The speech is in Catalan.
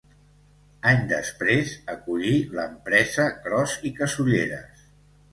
Anys després acollí l'empresa Cros i Casulleres.